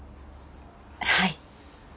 はい。